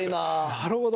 なるほど。